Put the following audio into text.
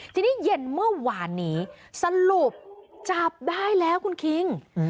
ทีนี้เย็นเมื่อวานนี้สรุปจับได้แล้วคุณคิง